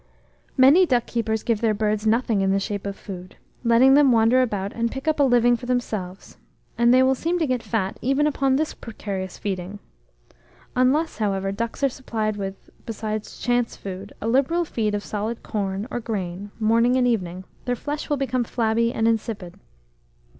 Many duck keepers give their birds nothing in the shape of food, letting them wander about and pick up a living for themselves; and they will seem to get fat even upon this precarious feeding. Unless, however, ducks are supplied with, besides chance food, a liberal feed of solid corn, or grain, morning and evening, their flesh will become flabby and insipid.